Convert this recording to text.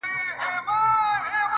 • چي د صبر شراب وڅيښې ويده سه.